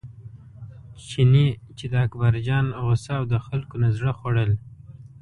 چیني چې د اکبرجان غوسه او د خلکو نه زړه خوړل.